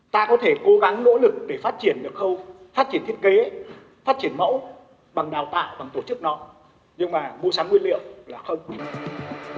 ta có thể cố gắng nỗ lực để phát triển được không phát triển thiết kế phát triển mẫu bằng đào tạo bằng tổ chức đó nhưng mà mua sắm nguyên liệu là không